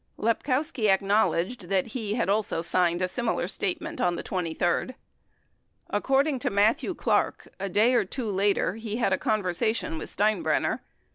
25 Lepkowski acknowledged that he also signed a similar statement on the 23d. According to Matthew Clark, a day or two later he had a conversa tion with Steinbrenner.